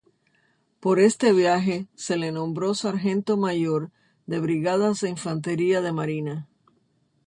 Por este viaje se le nombró sargento mayor de Brigadas de Infantería de Marina.